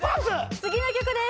次の曲です